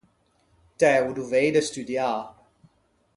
T’æ o dovei de studiâ.